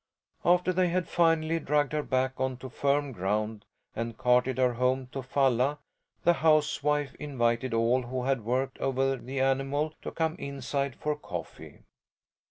After they had finally dragged her back onto firm ground and carted her home to Falla the housewife invited all who had worked over the animal to come inside for coffee.